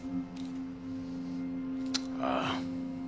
ああ。